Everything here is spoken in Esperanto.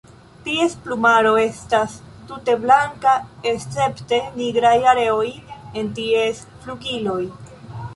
Ties plumaro estas tute blanka escepte nigraj areoj en ties flugiloj.